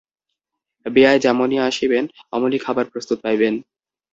বেয়াই যেমনি আসিবেন অমনি খাবার প্রস্তুত পাইবেন।